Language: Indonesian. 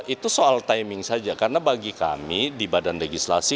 itu soal timing saja karena bagi kami di badan legislasi